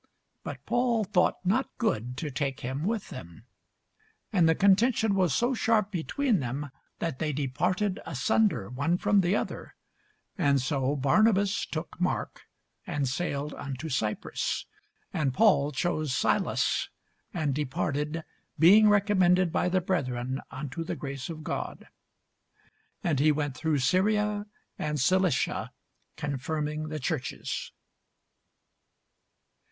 But Paul thought not good to take him with them. And the contention was so sharp between them, that they departed asunder one from the other: and so Barnabas took Mark, and sailed unto Cyprus; and Paul chose Silas, and departed, being recommended by the brethren unto the grace of God. And he went through Syria and Cilicia, confirming the churches.